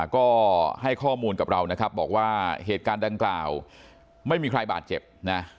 ก็ให้ข้อมูลกับเรานะครับบอกว่าเหตุการณ์ดังกล่าวไม่มีใครบาดเจ็บนะ